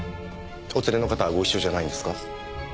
お連れの方はご一緒じゃないんですか？